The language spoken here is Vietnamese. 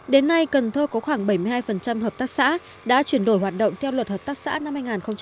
đến nay cần thơ có khoảng bảy mươi hai hợp tác xã đã chuyển đổi hoạt động theo luật hợp tác xã năm hai nghìn một mươi ba